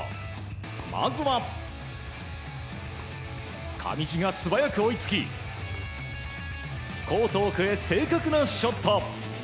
まずは、上地が素早く追いつきコート奥へ正確なショット。